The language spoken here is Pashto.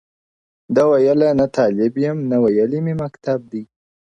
ده ویله نه طالب یم نه ویلی مي مکتب دی,